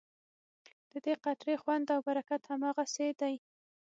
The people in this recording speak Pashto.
ددې قطرې خوند او برکت هماغسې دی.